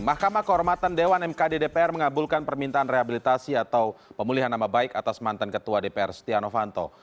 mahkamah kehormatan dewan mkd dpr mengabulkan permintaan rehabilitasi atau pemulihan nama baik atas mantan ketua dpr setia novanto